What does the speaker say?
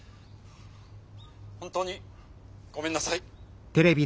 本当にごめんなさい」。